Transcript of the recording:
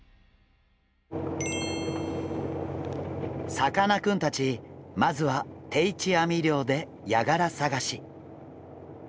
さかなクンたちまずは定置網漁でヤガラ探し。